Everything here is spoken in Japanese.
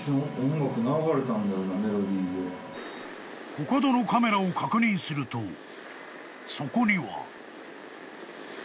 ［コカドのカメラを確認するとそこには］